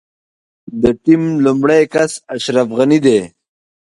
د ټيم لومړی کس اشرف غني دی.